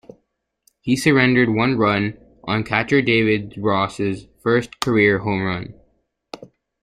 He surrendered one run on catcher David Ross's first career home run.